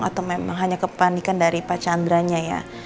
atau memang hanya kepanikan dari pak chandra nya ya